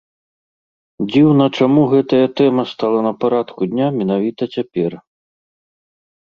Дзіўна, чаму гэтая тэма стала на парадку дня менавіта цяпер.